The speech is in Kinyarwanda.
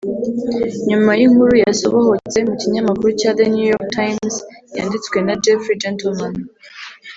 nyuma y’inkuru yasobohotse mu kinyamakuru cya The New York Times yanditswe na Jeffrey Gettleman